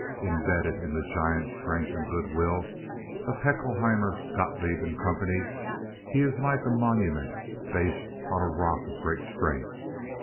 Embedded in the giant strength and good will of Haeckelheimer, Gotloeb & Co., he is like a monument based on a rock of great strength.